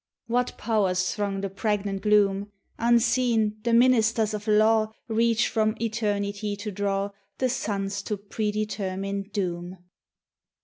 What powers throng the pregnant gloom! Unseen, the ministers of Law Reach from eternity to draw The suns to predetermined doom.